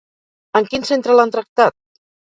En quin centre l'han tractat?